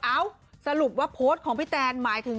เอ้าสรุปว่าโพสต์ของพี่แตนหมายถึง